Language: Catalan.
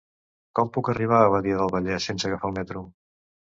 Com puc arribar a Badia del Vallès sense agafar el metro?